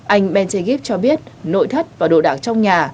anh bentegip cho biết nội thất và đồ đạc trong nhà